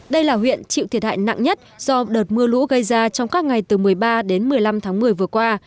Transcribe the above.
đây là huyện chịu thiệt hại nặng nhất do đợt mưa lũ gây ra trong các ngày từ một mươi ba đến một mươi năm tháng một mươi vừa qua